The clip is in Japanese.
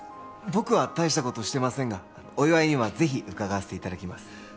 僕は大したことしてませんがお祝いには是非伺わせていただきます